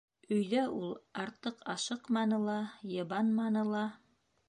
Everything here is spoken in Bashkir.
Өйҙә ул артыҡ ашыҡманы ла, йыбанманы ла.